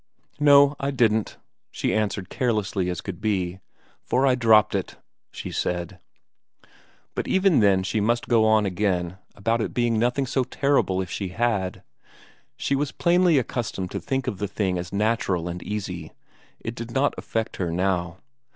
"No, I didn't," she answered carelessly as could be, "for I dropped it," she said. But even then she must go on again about it being nothing so terrible if she had. She was plainly accustomed to think of the thing as natural and easy; it did not affect her now.